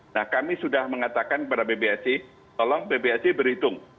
nah kami sudah mengatakan kepada bpsi tolong bpsi berhitung